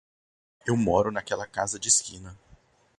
Eu moro naquela casa de esquina.